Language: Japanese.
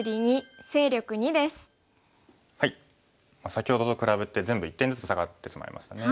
先ほどと比べて全部１点ずつ下がってしまいましたね。